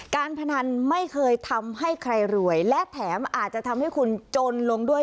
การพนันไม่เคยทำให้ใครรวยและแถมอาจจะทำให้คุณจนลงด้วย